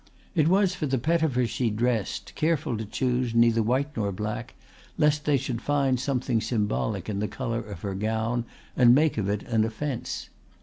It was for the Pettifers she dressed, careful to choose neither white nor black, lest they should find something symbolic in the colour of her gown and make of it an offence.